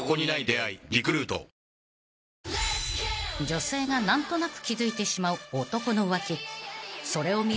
［女性が何となく気付いてしまう］